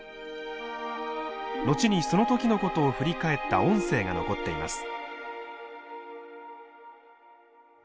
後にその時のことを振り返った音声が残っています。